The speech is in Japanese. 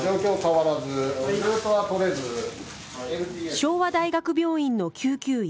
昭和大学病院の救急医